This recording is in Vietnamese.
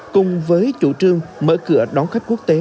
cùng với chủ trương mở cửa đón khách quốc tế